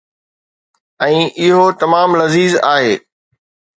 ۽ اهو تمام لذيذ آهي.